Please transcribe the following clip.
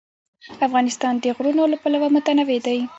افغانستان د غرونه له پلوه متنوع دی.